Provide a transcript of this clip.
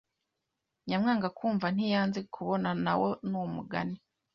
Nyamwanga kumva ntiyanze kubona nawo numugani